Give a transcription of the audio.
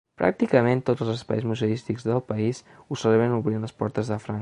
Pràcticament tots els espais museístics del país ho celebren obrint les portes de franc.